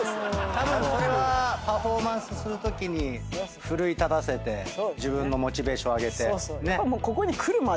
たぶんそれはパフォーマンスするときに奮い立たせて自分のモチベーション上げて。